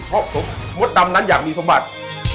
เพราะมดดำนั้นอยากมีสมบัติ